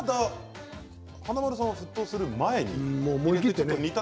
華丸さんは沸騰する前に。